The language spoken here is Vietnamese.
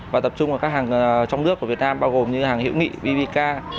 và tập trung vào các hàng trong nước của việt nam bao gồm như hàng hiệu nghị bbk